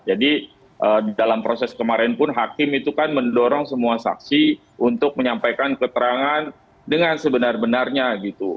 jadi dalam proses kemarin pun hakim itu kan mendorong semua saksi untuk menyampaikan keterangan dengan sebenar benarnya gitu